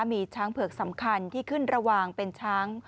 มีช้างเผือกสำคัญที่ขึ้นระหว่างเป็นช้าง